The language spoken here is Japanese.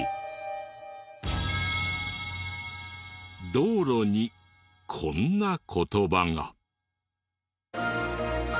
道路にこんな言葉が。